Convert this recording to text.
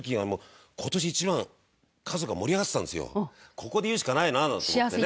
ここで言うしかないななんて思ってね。